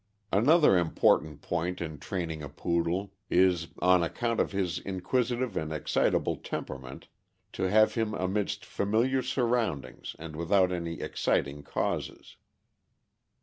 Another important point in training a Poodle is, on account of his inquisitive and excitable temperament, to have him amidst familiar surroundings and without any exciting causes.